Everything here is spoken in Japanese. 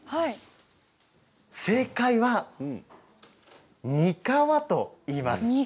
正解は「にかわ」といいます。